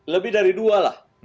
lebih dari dua lah